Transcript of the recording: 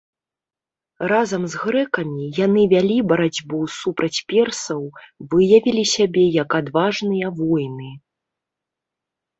Разам з грэкамі, яны вялі барацьбу супраць персаў, выявілі сябе як адважныя воіны.